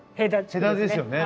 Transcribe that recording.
戸田ですよね？